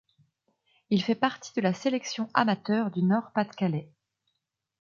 Il fait partie de la sélection amateur du Nord-Pas-de-Calais.